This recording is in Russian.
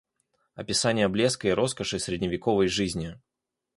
Описание блеска и роскоши средневековой жизни